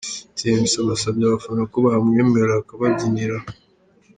Tmc abasabye abafana ko bamwemerera akababyinira.